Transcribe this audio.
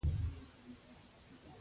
د حلال رزق خوړل د انسان عزت دی.